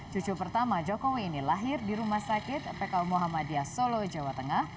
cucu pertama jokowi ini lahir di rumah sakit pku muhammadiyah solo jawa tengah